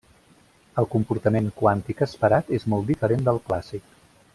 El comportament quàntic esperat és molt diferent del clàssic.